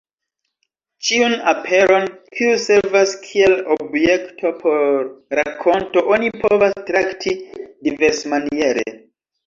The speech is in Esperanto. Ĉiun aperon, kiu servas kiel objekto por rakonto, oni povas trakti diversmaniere.